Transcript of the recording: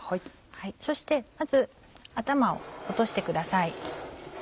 そしてまず頭を落としてください。